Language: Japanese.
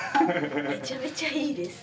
めちゃめちゃいいです。